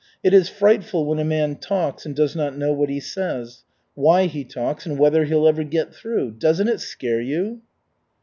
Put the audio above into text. It is frightful when a man talks and does not know what he says, why he talks and whether he'll ever get through. Doesn't it scare you?"